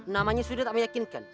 namanya sudah tak meyakinkan